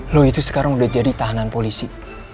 loh itu sekarang udah jadi tahanan polisi